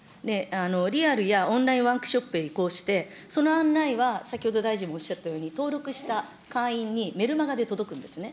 リアルやオンラインワークショップへ移行して、その案内は先ほど大臣もおっしゃったように、登録した会員にメルマガで届くんですね。